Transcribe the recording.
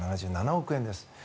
５８７７億円です。